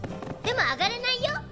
でも上がれないよ